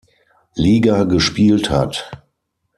Liga gespielt hat.